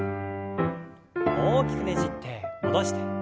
大きくねじって戻して。